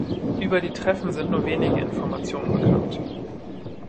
Über die Treffen sind nur wenige Informationen bekannt.